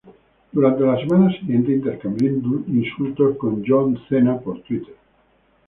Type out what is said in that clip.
Durante las semanas siguientes intercambió insultos con John Cena por Twitter.